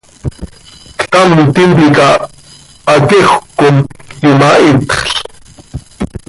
Ctam tintica haquejöc com imahitxl.